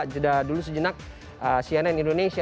jeda dulu sejenak cnn indonesia